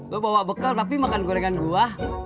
gue bawa bekal tapi makan gorengan buah